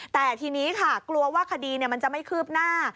แต่ทีนี้ค่ะกลัวว่าคดีมันจะไม่คืบหน้า